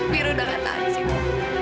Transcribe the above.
mira udah gak tahan disitu